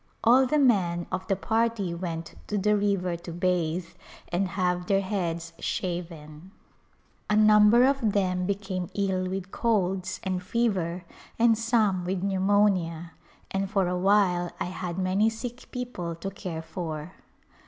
All the men of the party went to the river to bathe and have their heads shaven. A number of them became ill with colds and A Glhnpse of India fever and some with pneumonia, and for a while I had many sick people to care for.